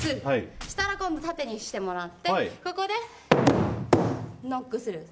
そしたら、縦にしてもらってここで、ノックする。